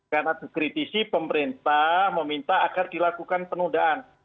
karena dikritisi pemerintah meminta agar dilakukan penundaan